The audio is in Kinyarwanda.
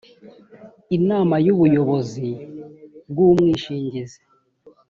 inama y ubuyobozi bw umwishingizi